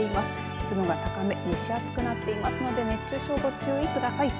湿度が高め蒸し暑くなっていますので熱中症にご注意ください。